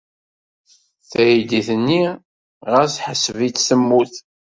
Taydit-nni ɣas ḥesbet-tt temmut.